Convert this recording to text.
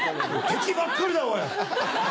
敵ばっかりだおい。